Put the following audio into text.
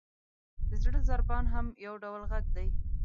• د زړه ضربان هم یو ډول ږغ دی.